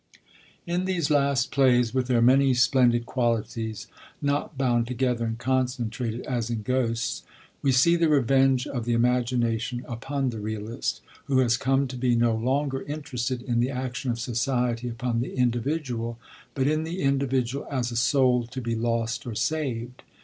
In these last plays, with their many splendid qualities, not bound together and concentrated as in Ghosts, we see the revenge of the imagination upon the realist, who has come to be no longer interested in the action of society upon the individual, but in the individual as a soul to be lost or saved.